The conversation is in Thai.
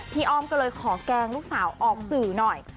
อ้อมก็เลยขอแกล้งลูกสาวออกสื่อหน่อย